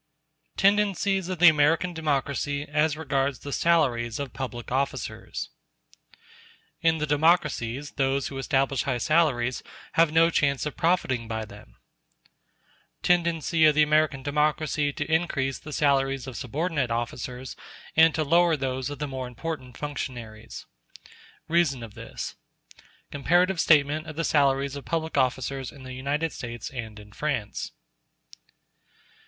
] Tendencies Of The American Democracy As Regards The Salaries Of Public Officers In the democracies those who establish high salaries have no chance of profiting by them—Tendency of the American democracy to increase the salaries of subordinate officers and to lower those of the more important functionaries—Reason of this—Comparative statement of the salaries of public officers in the United States and in France.